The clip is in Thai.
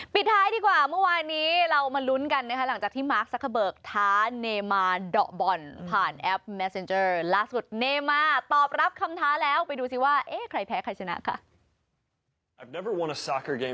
ปิดท้ายดีกว่าเมื่อวานนี้เรามาลุ้นกันนะคะ